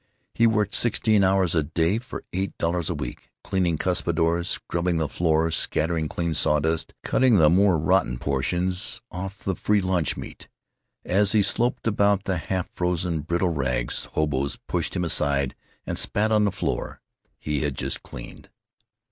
He worked sixteen hours a day for eight dollars a week, cleaning cuspidors, scrubbing the floor, scattering clean sawdust, cutting the more rotten portions off the free lunch meat. As he slopped about with half frozen, brittle rags, hoboes pushed him aside and spat on the floor he had just cleaned.